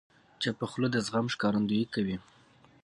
چپه خوله، د زغم ښکارندویي کوي.